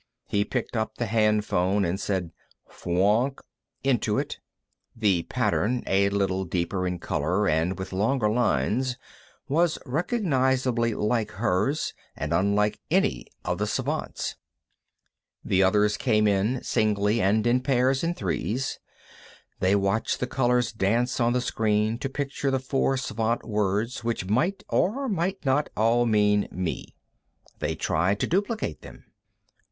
He picked up the hand phone and said, "Fwoonk," into it. The pattern, a little deeper in color and with longer lines, was recognizably like hers, and unlike any of the Svants'. The others came in, singly and in pairs and threes. They watched the colors dance on the screen to picture the four Svant words which might or might not all mean me. They tried to duplicate them.